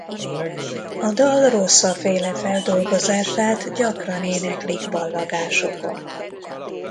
A dal Rossa-féle feldolgozását gyakran éneklik ballagásokon.